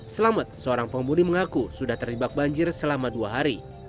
selamat seorang pengemudi mengaku sudah terjebak banjir selama dua hari